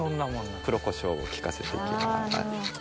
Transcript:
黒コショウを利かせて行きます。